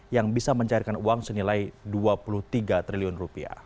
yang bisa mencairkan uang senilai rp dua puluh tiga triliun